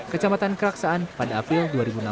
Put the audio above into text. kecamatan keraksaan pada april dua ribu enam belas